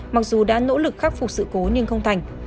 mặc dù đã nỗ lực khắc phục sự cố nhưng không thành